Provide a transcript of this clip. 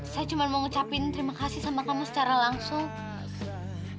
saya cuma mau ngucapin terima kasih sama kamu secara langsung